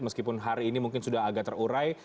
meskipun hari ini mungkin sudah agak terurai